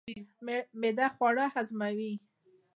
معده خواړه هضموي.